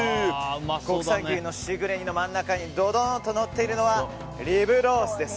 国産牛のしぐれ煮の真ん中にどどんとのっているのはリブロースです。